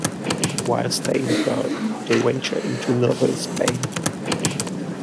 While staying there they venture into northern Spain.